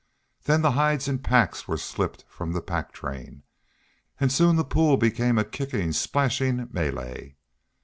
Then the hides and packs were slipped from the pack train, and soon the pool became a kicking, splashing melee.